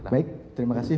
baik terima kasih